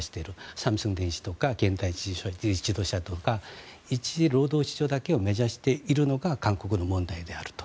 サムスン電子とか現代自動車とか１次労働市場だけを目指しているのが韓国の問題であると。